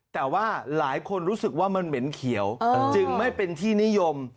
แต่ว่าหลายคนรู้สึกว่ามันเหม็นเขียวจึงไม่เป็นที่นิยม